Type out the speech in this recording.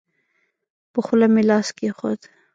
په خوله مې لاس کېښود.